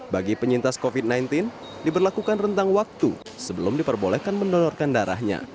bagi penyintas covid sembilan belas diberlakukan rentang waktu sebelum diperbolehkan mendonorkan darahnya